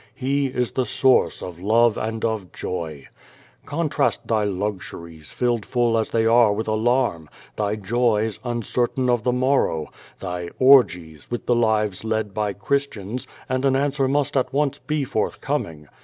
He is the source of love and of joy. Contrast thy luxuries, filled full as they are with alarm; thy joys, uncer&in of the morrow; thy orgies, with the lives led by Christians, and an answer must at once be forthcoming.